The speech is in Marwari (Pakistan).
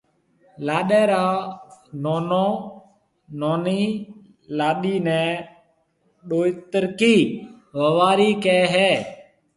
لاڏيَ را نونو نونِي لاڏيِ نَي ڏويترڪِي ووارِي ڪهيَ هيَ۔